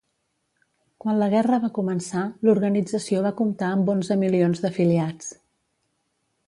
Quan la guerra va començar, l'organització va comptar amb onze milions d'afiliats.